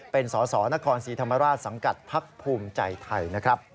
เป็นสสนครสีธรรมราชสังกัดพภูมิใจไทย